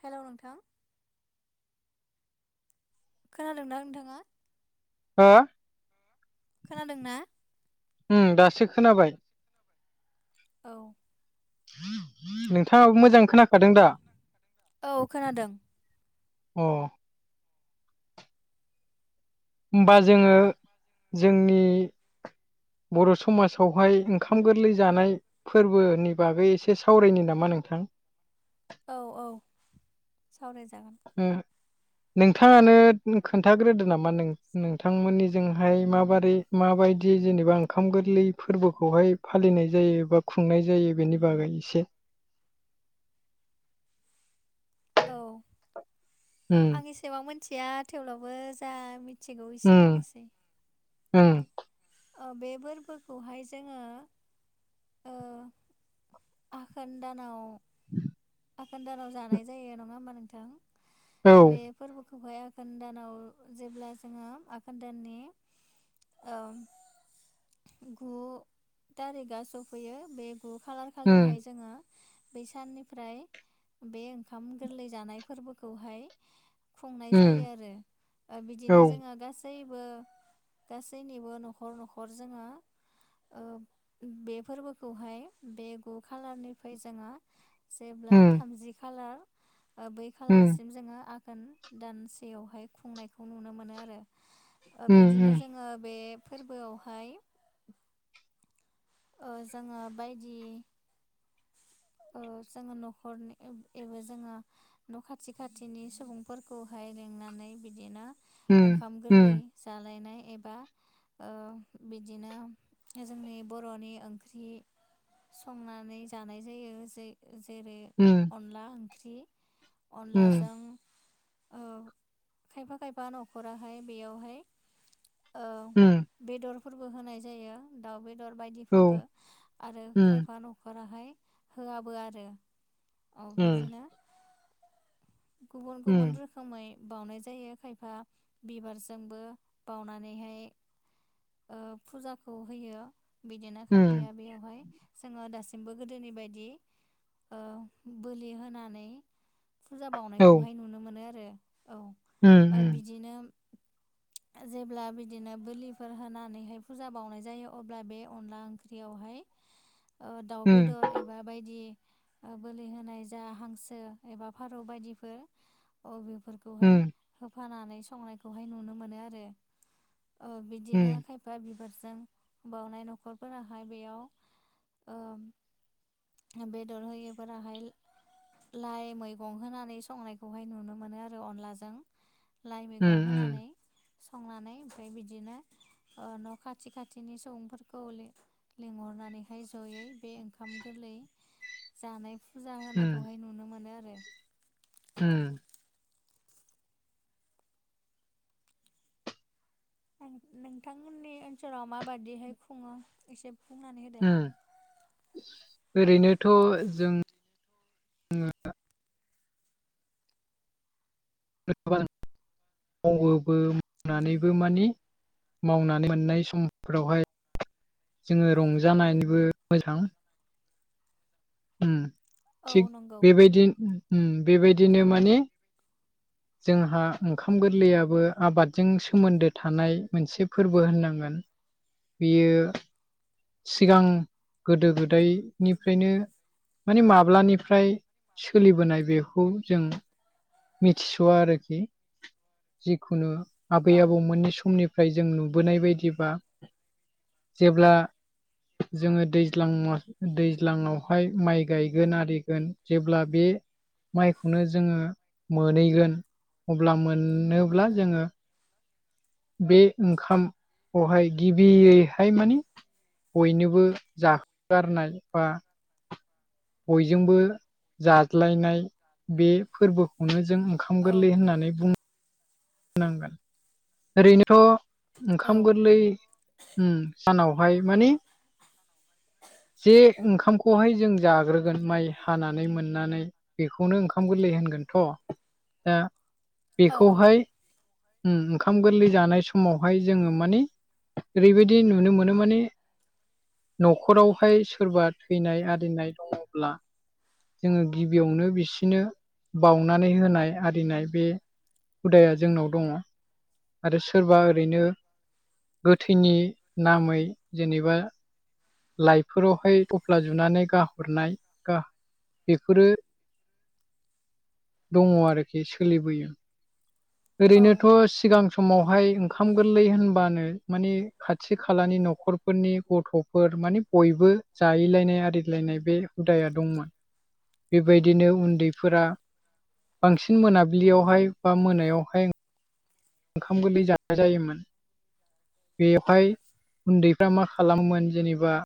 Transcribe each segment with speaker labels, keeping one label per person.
Speaker 1: Hello नोंथां खोनादों ना नोंथांआ
Speaker 2: हो
Speaker 1: खोनादों ना
Speaker 2: उम दासो खोनाबाय
Speaker 1: औ
Speaker 2: नोंथांआबो मोजां खोनाखादों दा
Speaker 1: औ खोनादों।
Speaker 2: औ होमबा जोङो जोंनि बर' समाजावहाय ओंखाम गोरलै जानाय फोरबोनि बागै एसे सावरायनो नामा नोंथां
Speaker 1: औ औ सावराय जागोन
Speaker 2: ओ नोंथांआनो खोन्थाग्रोदो नामा नों नोंथांमोनिजोंहाय माबोरै माबायदि जेनोबा ओंखाम गोरलै फोरबोखौहाय फालिनाय जायो बा खुंनाय जायो बेनि बागै एसे
Speaker 1: औ
Speaker 2: उम
Speaker 1: आं एसेबां मिथिआ थेवब्लाबो जा मिथि मिथिगौ
Speaker 2: उम
Speaker 1: एसे बुंसै
Speaker 2: उम
Speaker 1: ओ‌‌ बे फोरबोखौहाय जोङो ओ आघोन दानाव आघोन दानाव जानाय जायो नङा होमबा नोंथां
Speaker 2: औ
Speaker 1: बे फोरबोखौहाय आघोन दानाव जेब्ला जोङो आघोन दाननि औ गु थारिकआ सफैयो बे गु खालार खा
Speaker 2: उम
Speaker 1: खालिहाय जोङो बै साननिफ्राय बे ओंखाम गोरलै जानाय फोरबोखौहाय खुंनाय जायो
Speaker 2: उम
Speaker 1: आरो ओ
Speaker 2: औ
Speaker 1: बिदिनो जोङो गासैबो गासैबो गासैनिबो न'खर न'खर जोङो ओ बे फोरबोखौहाय बे गु खालारनिफ्राय जोङो जेब्ला
Speaker 2: उम
Speaker 1: थामजि खाालार ओ बै
Speaker 2: उम
Speaker 1: खाालारसिम जोङो आघोन दानसेआवहाय खुंनायखौ नुनो मोनो आरो ओ
Speaker 2: उम
Speaker 1: बिदिनो जोङो बे फोरबोआवहाय ओ जोङो बायदि ओ जोङो न'खरनि एबो जोङो न' खाथि खाथिनि सुबुंफोरखौहाय लिंनानै बिदिनो
Speaker 2: उम
Speaker 1: ओंखाम गोरलै
Speaker 2: उम
Speaker 1: जालायनाय एबा ओ बिदिनो जोंनि बर'नि ओंख्रि संनानै जानाय जायो जे जेरै
Speaker 2: ओह
Speaker 1: अनला ओंख्रि अनलाजों औ खायफा खायफा न'खराहाय बेयावहाय औ
Speaker 2: उम
Speaker 1: बेदरफोरबो होनाय जायो दाउ बेदर
Speaker 2: औ
Speaker 1: बायदिफोरबो आरो
Speaker 2: उम
Speaker 1: खायफा न'खराहा बेहाय होआबो आरो औ
Speaker 2: उम
Speaker 1: बिदिनो गुबुन गुबुन
Speaker 2: उम
Speaker 1: रो खोमै बावउनाय जायो खायफा बिबारजोंबो बावनानैहाय ओ फुजाखौ होयो बिदिनो
Speaker 2: उम
Speaker 1: खायफाया बेयावहाय जोङो दासिम बो गोदोनि बायदि ओ बोलि होनानै फुजा
Speaker 2: औ
Speaker 1: बावनायखौहाय नुनो मोनो आरो औ
Speaker 2: उम
Speaker 1: ओ बिदिनो जेब्ला बिदिनो बोलिफोर होनानैहाय फुजा बावनाय जायो अब्ला बे अनला ओंख्रियावहाय ओ दाउ
Speaker 2: उम
Speaker 1: बेदर एबा बायदि ओ बोलि होनाय जा हांसो एबा फारौ बायदिफोर अ बेफोर
Speaker 2: उम
Speaker 1: खौहाय होफानानै संनायखौहाय नुनो मोनो आरो ओ बिदिनो
Speaker 2: उम
Speaker 1: खायफा बिबा बिबारजों बावनाय न'खरफोराहाय बेयाव ओ बेदर होयो फोरा हाय लाइ मैगं होनानै संनायखौहाय नुनो मोनो आरो अनलाजों लाइ मैगं
Speaker 2: उम
Speaker 1: होनानै संनानै ओमफ्राय बिदिनो ओ न' खाथि खाथिनि सुबुंफोरखौ लिं लिंहरनानैहाय जयै बेओंखा ओंखाम गोरलै जानाय फुजा
Speaker 2: उम
Speaker 1: होनायखौहाय नुनो मोनो आरो औ
Speaker 2: उम
Speaker 1: आं नोंथांमोननि ओनसोलाव माबादिहाय खुङो एसे बुंनानै होदो
Speaker 2: उम ओरैनोथ' जों [unintelligible] मावोबो मावनानैबो मानि मावनानै मोननाय समफोरावहाय जोङो रंजानानैबो मोजां उम
Speaker 1: औ
Speaker 2: थिग
Speaker 1: नंगौ
Speaker 2: बेबायदि उम बेबायदिनो माने जोंहा ओंखाम गोरलैयाबो आबादजों सोमोन्दो थानाय मोनसे फोरबो होननांगोन। बियो सिगां गोदो गोदायनि फ्रायनो माने माब्लानिफ्राय सोलिबोनाय बेखौ जों मिथिस'आ आरोखि जिखुनु आबै
Speaker 1: औ
Speaker 2: आबौ मोनै समनि फ्राय जों नुबोनाय बायदिबा जेब्ला जोङो दैज्लां दैज्लाङावहाय माइ गायगोन आरिगोन जेब्ला बे माइखौनो जोङो मोनहैगोन अब्ला मोनोब्ला जोङो बे ओंखामखौहाय गिबियैहाय मानिे बयनोबो जाहोगारनाय बा बयजोंबो जाज्लायनाय बे फोरबोखौनो जों खाम
Speaker 1: औ
Speaker 2: गोरलै होननानै बुङो। होनांगोन ओरैनोथ'
Speaker 1: औ
Speaker 2: ओंखाम गोरलै उम सानावहाय माने
Speaker 1: [unintelligible]
Speaker 2: जे ओंखामखौहाय जों जाग्रोगोन माइ हानानै मोननानै बेखौनो ओंखाम गोरलै होनगोनथ' दा
Speaker 1: औ
Speaker 2: बेखौहाय उम ओंखाम गोरलै जानाय समावहाय जोङो माने ओरैबायदि नुनो मोनो माने न'खरावहाय सोरबा थैनाय आरिनाय दङब्ला जोङो गिबियावनो बिसोरनो बावउनानै होनाय आरिनाय बे हुदाया जोंनाव दङ। आरो सोरबा ओरैनो गोथैनि नामै जेनेबा लाइफोरावहाय थफ्ला जुनानै गाहरनाय गाह बेफोरो दङ आरोखि सोलिबोयो ओरैनोथ' सिगां समावहाय ओंखाम गोरलै होनबानो मानिे खाथि खालानि न'खरफोरनि गथ'फोर मानि बयबो जाहैलायनाय आरिलायनाय बे हुदाया दंमोन। बेबायदिनो उन्दैफोरा बांसिन मोनाबिलियावहाय बा मोनायाव फाय ओंखाम गोरलै जानाय जायोमोन। बेवहाय उन्दैफ्रा मा खालामोन जेनेबा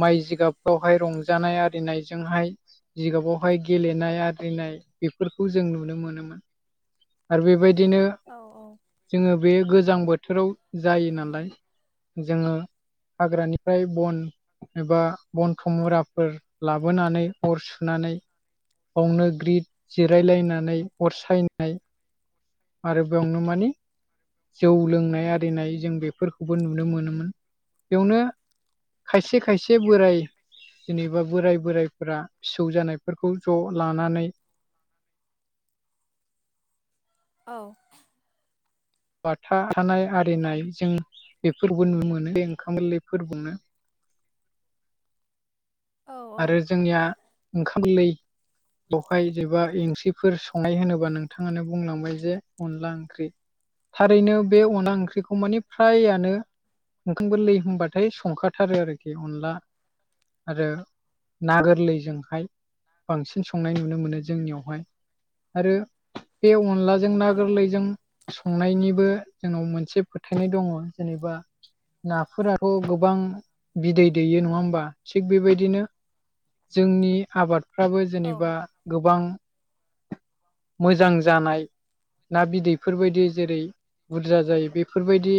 Speaker 2: माइ जिगाबफ्रावहाय रंजानाय आरिनायजोंहाय जिगाबावहाय गेलेनाय आरिनाय बेफोरखौ जों नुनो मोनोमोन। आरो बेबायदिनो
Speaker 1: औ औ
Speaker 2: जोङो बे गोजां बोथोराव जायो नालाय जोङो हाग्रानिफ्राय बन एबा बन्थ मुराफोर लाबोनानै अर सुनानै बावनो ग्रिद जिरायलायनानै अर सायनाय आरो बेयावनो माने जौ लोंनाय आरिनाय जों बेफोरखौबो नुनो मोनोमोन बेयावनो खायसे खायसे बोराइ जेनेबा बोराय बोराइफोरा फिसौ जानायफोरखौ ज' लानानै
Speaker 1: औ
Speaker 2: बाथा हानाय आरिनाय जों बेफोरबो नुनो मोनो बे ओंखाम गोरलै फोरनो
Speaker 1: औ
Speaker 2: आरो जोंनिया ओंखामोरलै बेयावहाय जबा ओंख्रिफोर संनाय होनोबा नोंथाङानो बुंलांबाय जे अनला ओंख्रि। थारैनो बे अन ओंख्रिखौ माने फ्रायानो ओंखामफोरोर लै होनबाथाय संखाथारो आरोखि अनला आरो ना गोरलैजोंहाय बांसिन संनाय नुनो मोनो जोंनियावहाय। आरो बे अनलाजों ना गोरलैजों संनायनिबो जोंनाव मोनसे फोथायनाय दङ जेनेबा नाफोराथ' गोबां बिदै दैयो नङा होमबा थिग बेबायदिनो जोंनि आबादफ्राबो जेनेबा गोबां मोजां जानाय ना बिदैफोरबायदि जेरै बुरजा जायो बेफोरबायदि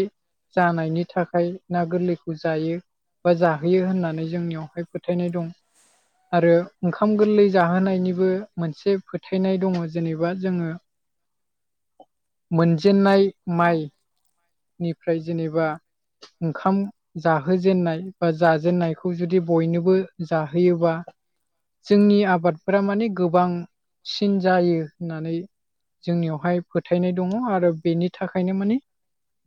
Speaker 2: जानायनि थाखाय ना गोरलैखौ जायो। बा जाहोयो होननानै जोंनियावहाय फोथायनाय दं। आरो ओंखाम गोरलै जाहोनायनिबो मोनसे फोथायनाय दङ जेनेबा जोङो
Speaker 1: [inaudible]
Speaker 2: मोनजेनाय माइ निफ्राय जेनेबा ओंखाम जाहोजेननाय बा जाजेननायखौ जुदि बयनोबो जाहोयोबा जोंनि आबादफोरा माने गोबांसिन जायो होननानै जोंनियावहाय फोथायनाय दङ आरो बेनि थाखायनो माने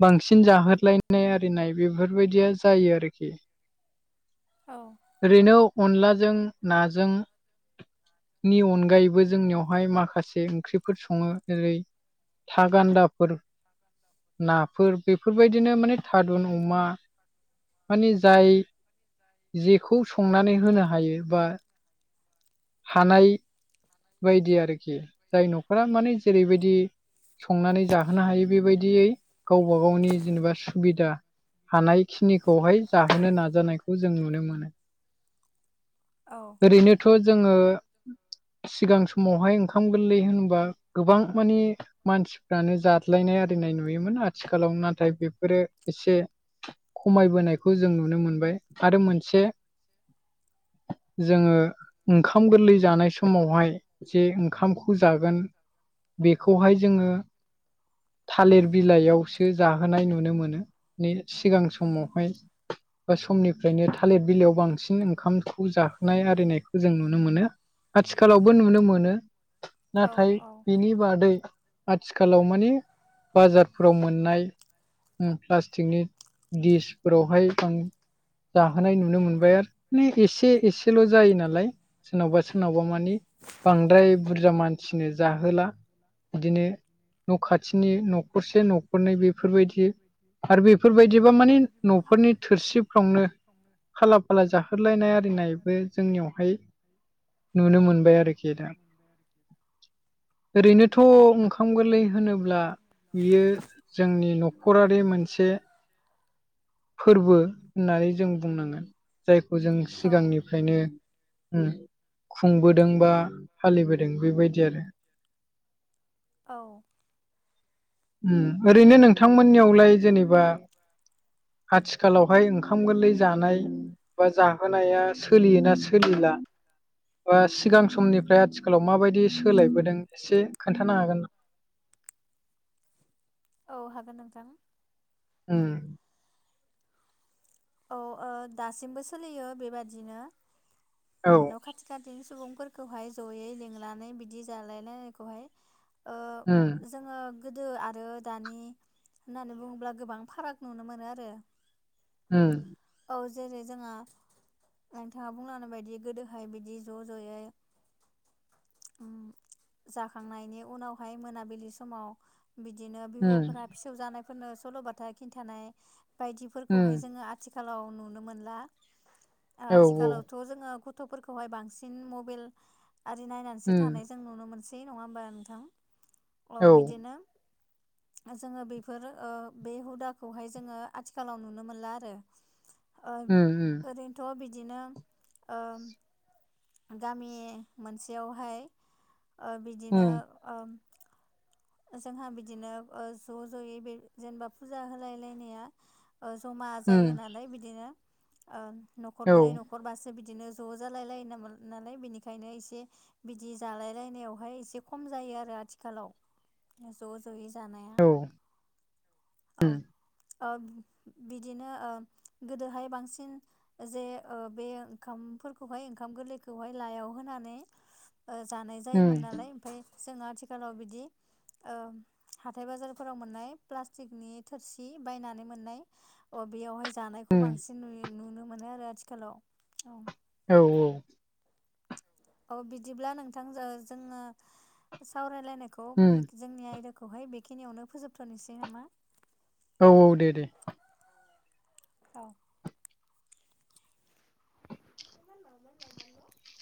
Speaker 2: बांसिन जाहोलोलायनाय आरिनाय बेफोरबायदिया जायो आरोखि।
Speaker 1: औ
Speaker 2: ओरैनो अनलाजों नाजों नि अनगायैबो जोंनियावहाय माखासे ओंख्रिफोर सङो ओेरै थ गान्दाफोर नाफोर बेफोरबायदिनो माने थादुन अमा माने जाय जेखौ संनानै होनो हायो बा हानाय बायदि आरोखि जाय न'खरा माने जेरैबायदि संनानै जाहोनो हायो बेबायदियै गावबा गावनि जेनेबा सुबिदा हानायखिनिखौहाय जाहोनो नाजानायखौ जों नुनो मोनो।
Speaker 1: औ
Speaker 2: ओरैनोथ' जोङो। सिगां समावहाय ओंखाम गोरलै होनोबा गोबां माने। मानसिफ्रानो जाद्लायनाय आरिनाय नुयोमोन आथिखालाव नाथाय बेफोरो एसे। खमायबोनायखौ जों नुनो मोनबाय आरो मोनसे जोङो। ओंखाम गोरलै जानाय समावहाय जे ओंखामखौ जागोन। बेखौहाय जोङो थालिर बिलाइयावसो जाहोनाय नुनो मोनो सिगां समावहाय। बा समनिफ्रायनो थालिर बिलाइयाव बांसिन ओंखामखौ जाहोनाय आरिनायखौ। जों नुनो मोनो। आथिखालावबो नुनो मोनो नाथाय
Speaker 1: औ
Speaker 2: बिनि बादै आथिखालाव माने बाजारफोराव मोननाय। प्लास्टिकनि दिसफोरावहाय आं जाहोनाय नुनो मोनबाय आरो माने एसे एसेल' जायो नालाय। सोरनावबा सोरनावबा मानि बांद्राय बुरजा मानसिनो जाहोला बिदिनो न' खाथिनि न'खरसे न'खरनै बेफोरबायदि। आरो बेफोरबायदिबा माने न'फोरनि थोरसिफ्रावनो फाला फाला जाहोलायनाय आरिनायबो जोंनियावहाय नुनो मोनबाय आरोखि दा ओरैनोथ' ओंखाम गोरलै होनोब्ला। बियो जोंनि न'खरारि मोनसे। फोरबो होननानै जों बुंनांगोन जायखौ जों
Speaker 1: औ
Speaker 2: सिगांनिफ्रायनो। खुंबोदों बा फालिबोदों बेबायदि आरो।
Speaker 1: औ।
Speaker 2: ओरैनो नोंथांमोननियावलाय जेनेबा। आथिखालावहाय ओंखाम गोरलै जानाय। बा जाहोनाया सोलियोना सोलिला बा सिगां समनिफ्राय आथि आथिखालाव माबायदि सोलायबोदों एसे खोन्थानो हागोन नामा
Speaker 1: औ हागोन नोंथां।
Speaker 2: उम।
Speaker 1: औ दासिमबो सोलियो बेबादिनो
Speaker 2: औ
Speaker 1: न' खाथि खाथिनि सुबुंफोरखौहाय जयै लिंनानै बिदि जालायलायनायखौहाय। ओ
Speaker 2: उम
Speaker 1: जोङो गोदो आरो दानि होननानै बुङोब्ला गोबां फाराग नुनो मोनो आरो
Speaker 2: उम।
Speaker 1: औ जेरै जोंहा। नोंथाङा बुंलानाय बायदि गोदोहाय बिदि ज' ज'यै जाखांनायनि उनावहाय मोनाबिलि समाव। बिदिनो
Speaker 2: उम
Speaker 1: बिबौफोरा फिसौ जानायफोरनो सल'बाथा खिन्थानाय बायदिफोरखौहाय
Speaker 2: उम
Speaker 1: जोङो। आथिखालाव नुनो मोनला
Speaker 2: औ
Speaker 1: आथिखालाव'थ थ' जोङो गथ'फोरखौहाय बांसिन मबाइल आरि नायनानैसो
Speaker 2: उम
Speaker 1: थानाय जों नुनो मोनसै। नङा होमबा नोंथां औ बिदिनो जोङो बेफोर बे हुदाखौहाय जोङो आथिखालाव नुनो मोनला आरो
Speaker 2: उम
Speaker 1: ओरैनोथ' बिदिनो। गामि मोनसेयावहाय बिदिनो
Speaker 2: उम
Speaker 1: जोंहा बिदिनो ज' ज'यै बे जेनेबा फुजा होलायलायनाया जमा
Speaker 2: उम
Speaker 1: जायो होननानै बिदिनो
Speaker 2: औ
Speaker 1: न'खरब्रै न'खरबा। न'खरबासो बिदिनो ज' जालायलाय नालाय बिनिखायनो एसे। बिदि जालायलायनायावहाय एसे खम जायो आरो आथिखालाव। ज' ज'यै जानाया
Speaker 2: औ
Speaker 1: औ।
Speaker 2: उम
Speaker 1: बिदिनो गोदोहाय बांसिन जे बे ओंखामफोरखौहाय ओंखाम गोरलैखौहाय लायाव होनानै ओ जानाय
Speaker 2: उम
Speaker 1: जायोमोन नालाय ओमफ्राय जों आथिखालाव बिदि ओ हाथाय बाजारफोराव मोननाय प्लास्टिकनि थोरसि बायनानै मोननाय अ बेयावहाय जानायखौ
Speaker 2: उम
Speaker 1: बांसिन नु नुनो मोनो आरो आथिखालाव औ
Speaker 2: औ औ
Speaker 1: औ बिदिब्ला नोंथांजों जोङो सावरायलायनायखौ
Speaker 2: उम
Speaker 1: जोंनि आयदाखौहाय बेखिनियावनो फोजोबथ'नोसै नामा?
Speaker 2: औ औ दे दे
Speaker 1: औ [unintelligible]